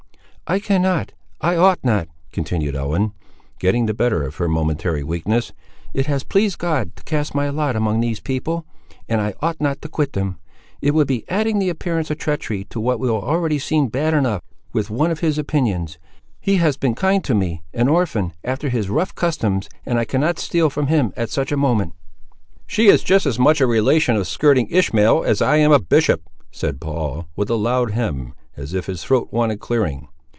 "I cannot—I ought not," continued Ellen, getting the better of her momentary weakness. "It has pleased God to cast my lot among these people, and I ought not to quit them. It would be adding the appearance of treachery to what will already seem bad enough, with one of his opinions. He has been kind to me, an orphan, after his rough customs, and I cannot steal from him at such a moment." "She is just as much a relation of skirting Ishmael as I am a bishop!" said Paul, with a loud hem, as if his throat wanted clearing.